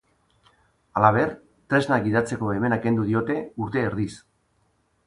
Halaber, trenak gidatzeko baimena kendu diote, urte erdiz.